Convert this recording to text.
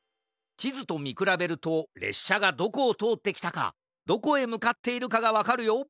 ちずとみくらべるとれっしゃがどこをとおってきたかどこへむかっているかがわかるよ。